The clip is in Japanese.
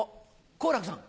好楽さん。